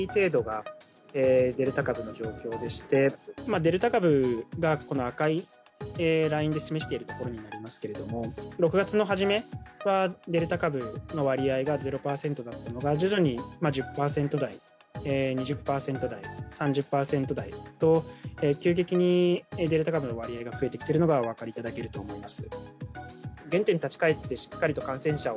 デルタ株が、赤いラインで示しているところになりますが６月の初めはデルタ株の割合が０％だったのが徐々に１０％台、２０％台３０％台と急激にデルタ株の割合が増えてきているのがお分かりいただけると思います。